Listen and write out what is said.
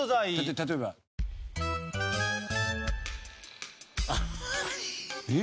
例えば？えっ？